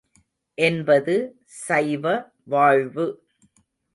என்பது சைவ வாழ்வு.